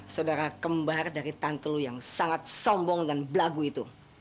saudara kembar dari tantelu yang sangat sombong dan belagu itu